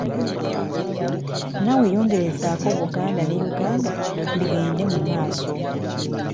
Nawe yongerezaako Buganda ne Uganda bigende mu maaso